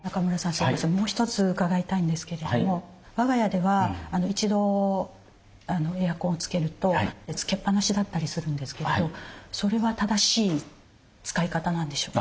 すいませんもう一つ伺いたいんですけども我が家では一度エアコンをつけるとつけっぱなしだったりするんですけれどそれは正しい使い方なんでしょうか？